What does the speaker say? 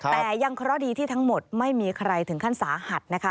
แต่ยังเคราะห์ดีที่ทั้งหมดไม่มีใครถึงขั้นสาหัสนะคะ